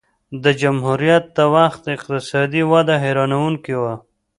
د جمهوریت د وخت اقتصادي وده حیرانوونکې وه.